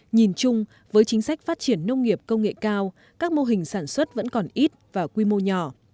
nhìn chung với chính sách phát triển nông nghiệp công nghệ cao các mô hình sản xuất vẫn còn ít và quy mô nhỏ